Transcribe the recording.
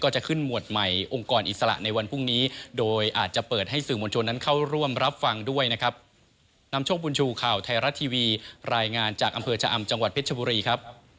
จังหวัดเพชรบุรีครับ